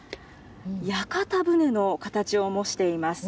屋形船の形を模しています。